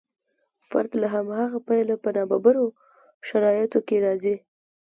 فرد له هماغه پیله په نابرابرو شرایطو کې راځي.